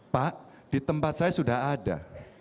pak di tempat saya sudah ada